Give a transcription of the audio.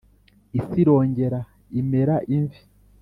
isi irongera imera imvi